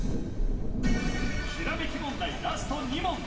ひらめき問題ラスト２問